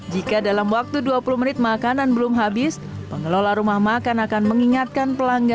jika dalam waktu dua puluh menit makanan belum habis pengelola rumah makan akan mengingatkan pelanggan